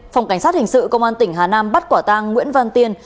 phòng cảnh sát hình sự công an tỉnh hà nam bắt quả tang nguyễn văn tiên